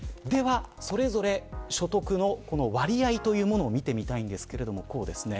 それぞれ所得の割合というものを見てみたいですが、こちらです。